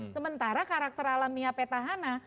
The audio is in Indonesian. sementara karakter alami petahana